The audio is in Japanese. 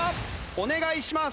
お願いします。